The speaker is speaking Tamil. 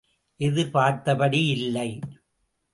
எதிர் பார்த்தபடி இல்லை.